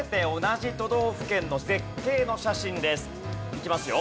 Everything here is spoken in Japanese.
いきますよ。